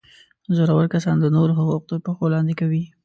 زورور کسان د نورو حقوق تر پښو لاندي کوي.